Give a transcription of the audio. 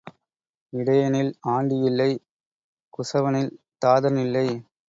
இடையனில் ஆண்டி இல்லை குசவனில் தாதன் இல்லை.